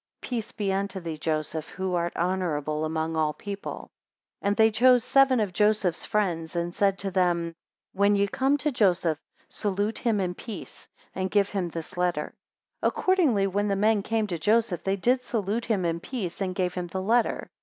Peace be unto thee, Joseph, who art honourable among all the people. 10 And they chose seven of Joseph's friends, and said to them, When ye come to Joseph, salute him in peace, and give him this letter. 11 Accordingly, when the men came to Joseph, they did salute him in peace, and gave him the letter.